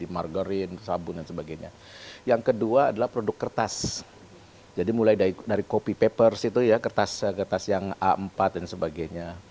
mulai dari copy paper kertas yang a empat dan sebagainya